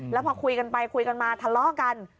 แล้วพอคุยกันไปคุยกันมาทะเลาะกัน